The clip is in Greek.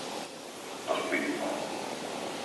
Το σπίτι μας